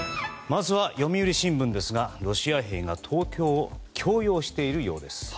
まずは読売新聞ですがロシア兵が投票を強要しているようです。